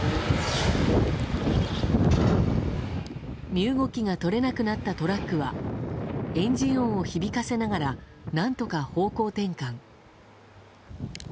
身動きが取れなくなったトラックはエンジン音を響かせながら何とか方向転換。